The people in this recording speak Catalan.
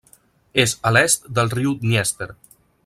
És a l'est del riu Dnièster.